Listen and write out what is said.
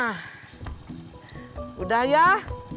aduh kacau duduk atap kabut